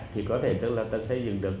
thì có thể tức là ta xây dựng được